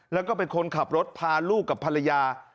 แล้วก็เป็นคนขับรถพาลูกกับภรรยา